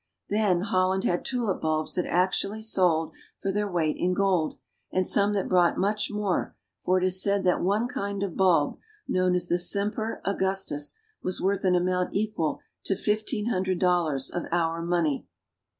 Then Holland had tulip bulbs that actually sold for their weight in gold and some that brought much more, for it is said that one kind of bulb, known as the Semper Augustus, was worth an amount equal to fifteen hundred dollars of our money.